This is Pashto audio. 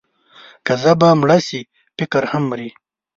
که ژبه مړه شي، فکر هم مري.